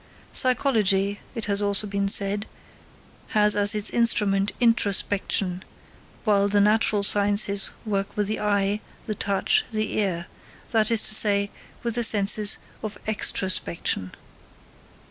Psychology, it has also been said, has as its instrument introspection, while the natural sciences work with the eye, the touch, the ear that is to say, with the senses of extrospection.